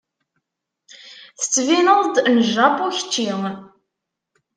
Tettbineḍ-d n Japu kečči.